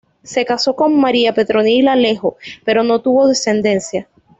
Se casó con María Petronila Alejo, pero no tuvo descendencia.